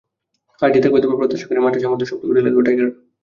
হারজিত থাকবেই, তবে প্রত্যাশা করি মাঠে সামর্থ্যের সবটুকুই ঢেলে দেবে টাইগাররা।